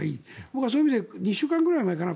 僕はそういう意味で２週間ぐらい前かな